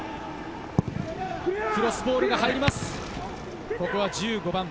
クロスボールが入ります。